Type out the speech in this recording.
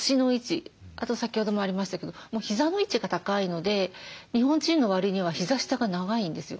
あと先ほどもありましたけどもう膝の位置が高いので日本人のわりには膝下が長いんですよ。